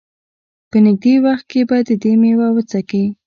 په نېږدې وخت کې به د دې مېوه وڅکي.